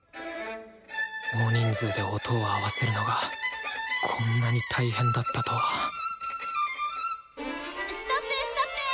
大人数で音を合わせるのがこんなに大変だったとはストップストップ！